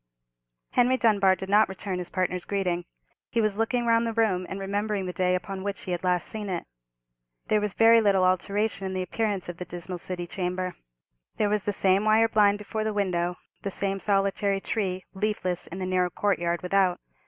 Henry Dunbar did not return his partner's greeting. He was looking round the room, and remembering the day upon which he had last seen it. There was very little alteration in the appearance of the dismal city chamber. There was the same wire blind before the window, the same solitary tree, leafless, in the narrow courtyard without.